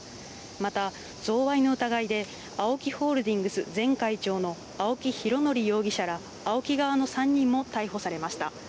また、贈賄の疑いで、ＡＯＫＩホールディングス前会長の青木拡憲容疑者ら、ＡＯＫＩ側の３人も逮捕されました。